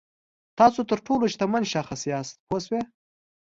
تاسو تر ټولو شتمن شخص یاست پوه شوې!.